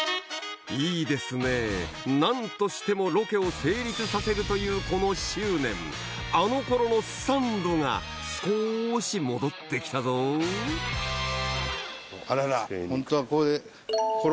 いいですねぇ何としてもロケを成立させるというこの執念あの頃のサンドが少し戻ってきたぞあららホントはここでコロッケ食べたい。